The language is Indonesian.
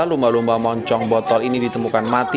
lumba lumba moncong botol ini ditemukan mati